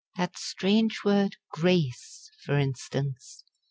That strange word "grace" for instance!